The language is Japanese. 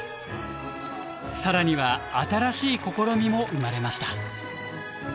更には新しい試みも生まれました。